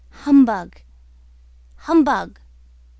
... Humbug! ... Humbug!"